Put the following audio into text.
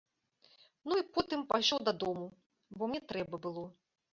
Ну і потым пайшоў дадому, бо мне трэба было.